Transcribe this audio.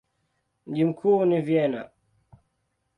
Mji mkuu ni Vienna.